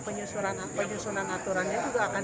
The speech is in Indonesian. penyusunan aturannya juga akan